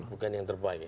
bukan yang terbaik